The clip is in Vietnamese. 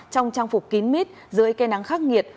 trong trang phục kín mít dưới cây nắng khắc nghiệt